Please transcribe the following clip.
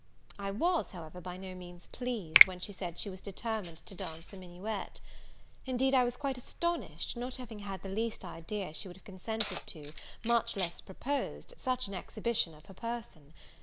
I was, however, by no means pleased, when she said she was determined to dance a minuet. Indeed, I was quite astonished, not having had the least idea she would have consented to, much less proposed, such an exhibition of her person.